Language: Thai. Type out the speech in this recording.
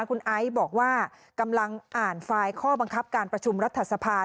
คุณไอซ์บอกว่ากำลังอ่านไฟล์ข้อบังคับการประชุมรัฐสภา